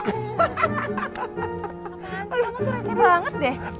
kamu tuh resah banget deh